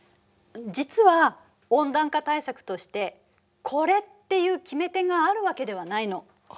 実は温暖化対策として「コレ」っていう決め手があるわけではないの。